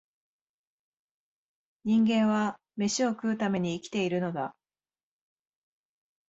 人間は、めしを食うために生きているのだ